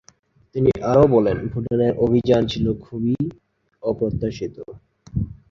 তিনি আরও বলেন, ভুটানের অভিযান ছিল খুবই অপ্রত্যাশিত।